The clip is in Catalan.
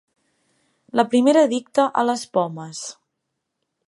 La primera addicta a les pomes.